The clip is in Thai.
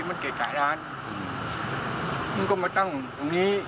มันเกะกะร้านมันก็มาตั้งตรงนี้